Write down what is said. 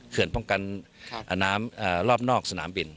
ป้องกันน้ำรอบนอกสนามบิน